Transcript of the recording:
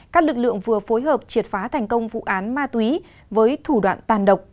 các lực lượng vừa phối hợp triệt phá thành công vụ án ma túy với thủ đoạn tàn độc